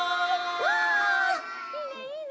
うわいいねいいね。